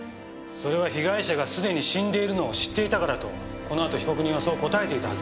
それは被害者がすでに死んでいるのを知っていたからとこの後被告人はそう答えていたはずですが？